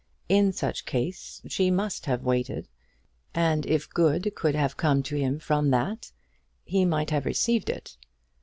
In such case she must have waited and if good could have come to him from that, he might have received it.